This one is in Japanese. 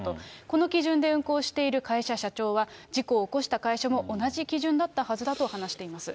この基準で運航している会社社長は、事故を起こした会社も同じ基準だったはずだと話しています。